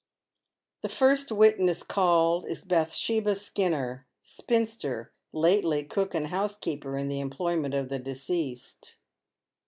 The first witness called is Bathsheba Skinner, spinster, lately cook and housekeeper in the emploj ment of the deceased.